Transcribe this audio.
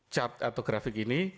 cat atau grafik ini